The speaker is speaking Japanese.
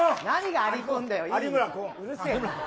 何がありこんだよ。